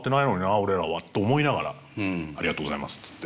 俺らは」と思いながら「ありがとうございます」つって。